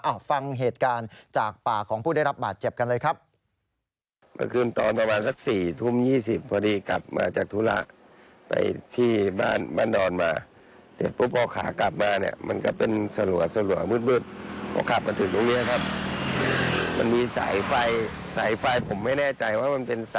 เอาฟังเหตุการณ์จากปากของผู้ได้รับบาดเจ็บกันเลยครับ